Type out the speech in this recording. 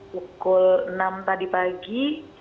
pukul enam tadi pagi